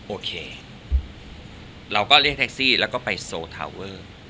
โอเคเราก็เรียกแท็กซี่แล้วก็ไปโซทาเวอร์